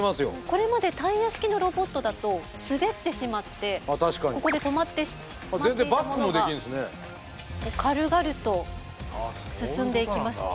これまでタイヤ式のロボットだと滑ってしまってここで止まってしまっていたものが軽々と進んでいきます。